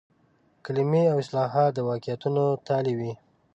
کلمې او اصطلاحات د واقعیتونو تالي وي.